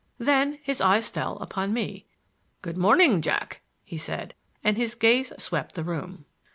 Then his eyes fell upon me. "Good morning, Jack," he said; and his gaze swept the room.